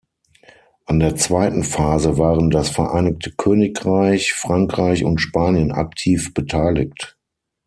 An der zweiten Phase waren das Vereinigte Königreich, Frankreich und Spanien aktiv beteiligt.